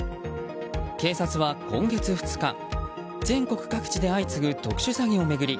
警察は今月２日全国各地で相次ぐ特殊詐欺を巡り